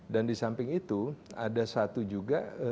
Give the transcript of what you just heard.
dan di samping itu ada satu juga